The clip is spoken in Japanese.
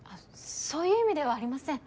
そういう意味ではありません。